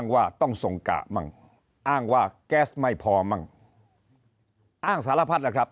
ว่าแก๊สไม่พอมั่งอ้างสารพัฒน์นะครับ